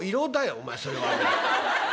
お前それは」。